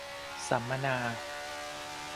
สัมมนา